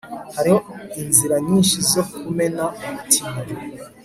hariho inzira nyinshi zo kumena umutima